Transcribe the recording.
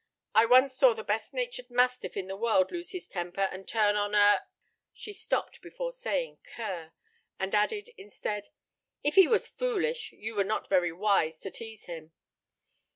"I once saw the best natured mastiff in the world lose his temper and turn on a " She stopped before saying "cur," and added instead: "If he was foolish, you were not very wise to tease him."